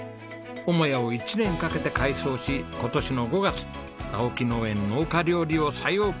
母屋を１年かけて改装し今年の５月青木農園農家料理を再オープンしました。